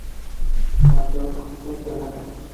Atsuko Tanaka